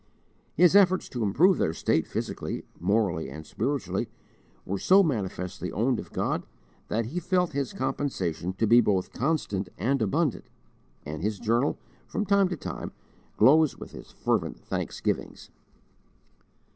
His efforts to improve their state physically, morally, and spiritually were so manifestly owned of God that he felt his compensation to be both constant and abundant, and his journal, from time to time, glows with his fervent thanksgivings.